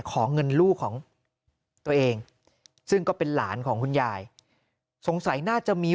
ของเงินลูกของตัวเองซึ่งก็เป็นหลานของคุณยายสงสัยน่าจะมี